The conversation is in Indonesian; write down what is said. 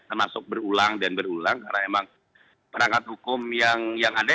termasuk berulang dan berulang karena emang perangkat hukum yang ada